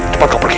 cepat kau pergi